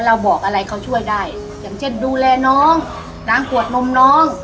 บอกอะไรเขาช่วยได้อย่างเช่นดูแลน้องน้ำขวดนมน้อง